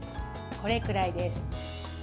これくらいです。